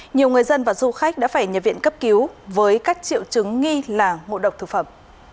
nhiều người dân và du khách đã phải nhập viện cấp cứu với các triệu chứng nghi là ngộ độc thực phẩm